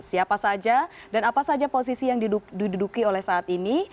siapa saja dan apa saja posisi yang diduduki oleh saat ini